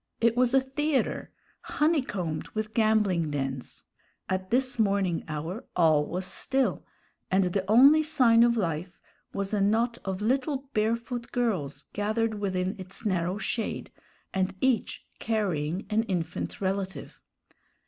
It was a theatre, honeycombed with gambling dens. At this morning hour all was still, and the only sign of life was a knot of little barefoot girls gathered within its narrow shade, and each carrying an infant relative.